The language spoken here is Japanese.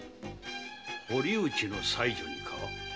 堀内の妻女にか？